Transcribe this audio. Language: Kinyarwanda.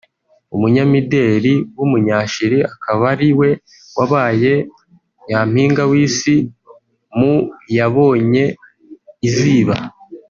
umunyamideli w’umunya-Chili akaba ariwe wabaye nyampinga w’isi mu yabonye iziba